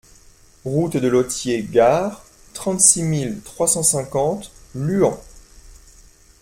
Route de Lothiers Gare, trente-six mille trois cent cinquante Luant